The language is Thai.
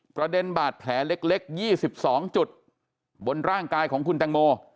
ประเด็นบาดแผลเล็ก๒๒จุดบนร่างกายของคุณแตงโม